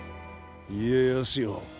家康よ。